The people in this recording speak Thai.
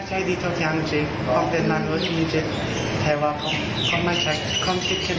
จัดไฟให้สวัสดิ์หนือยนี่จุดค่ะแต่เขาก็พร้อมอยากช่วยช่วยก่อนหนึ่ง